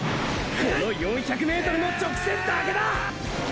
この４００ｍの直線だけだ！！